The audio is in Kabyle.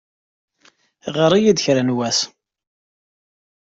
Ɣer-iyi-d kra n wass.